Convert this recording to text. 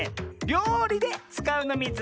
りょうりでつかうのミズ！